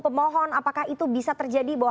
pemohon apakah itu bisa terjadi bahwa